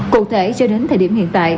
cụ thể cho đến thời điểm hiện tại